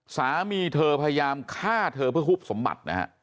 สามีเธอพยายามฆ่าเธอเพื่อหุบสมบัตินะฮะ